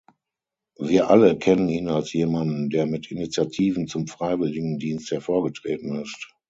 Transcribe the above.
Wir alle kennen ihn als jemanden, der mit Initiativen zum Freiwilligendienst hervorgetreten ist.